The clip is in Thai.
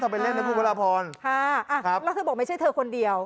ไปเล่นนะคุณพระราพรค่ะอ่าครับแล้วเธอบอกไม่ใช่เธอคนเดียว